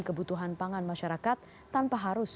kebutuhan pangan masyarakat tanpa harus